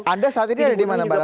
anda saat ini ada di mana mbak rat